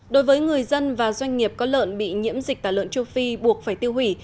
đối với người dân và doanh nghiệp có lợn bị nhiễm dịch tả lợn châu phi buộc phải tiêu hủy